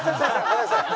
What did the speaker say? ごめんなさい。